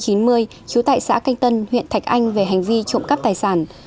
trú tại xã canh tân huyện thạch anh về hành vi trộm cắp tài sản